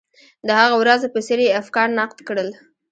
د هغو ورځو په څېر یې افکار نقد کړل.